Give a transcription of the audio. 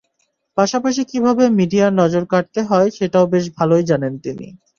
পাশাপাশি কীভাবে মিডিয়ার নজর কাড়তে হয়, সেটাও বেশ ভালোই জানেন তিনি।